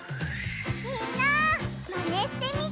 みんなマネしてみてね！